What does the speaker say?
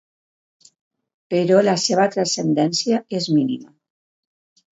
Però la seva transcendència és mínima.